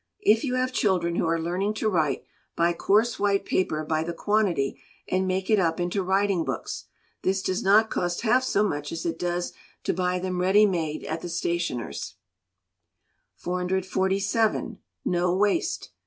If you have Children who are learning to write, buy coarse white paper by the quantity, and make it up into writing books. This does not cost half so much as it does to buy them ready made at the stationer's. 447. No Waste.